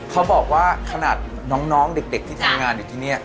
เขาบอกว่าขนาดน้องเด็กที่ทำงานอยู่ที่นี่